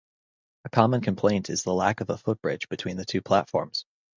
A common complaint is the lack of a footbridge between the two platforms.